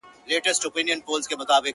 زخیرې مي کړلې ډیري شین زمری پر جنګېدمه٫